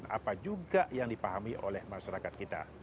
apa juga yang dipahami oleh masyarakat kita